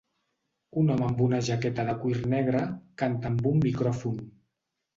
Un home amb una jaqueta de cuir negre canta amb un micròfon.